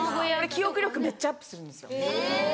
記憶力めっちゃアップするんですよ。